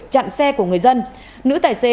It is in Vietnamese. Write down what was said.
chặn xe của người dân nữ tài xế